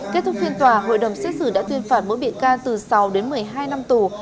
kết thúc phiên tòa hội đồng xét xử đã tuyên phạt mỗi bị can từ sáu đến một mươi hai năm tù